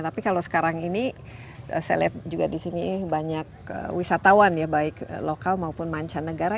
tapi kalau sekarang ini saya lihat juga di sini banyak wisatawan ya baik lokal maupun mancanegara